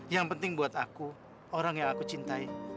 yang penting buat aku orang yang aku cintai